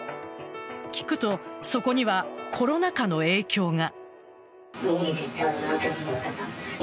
聞くとそこにはコロナ禍の影響が。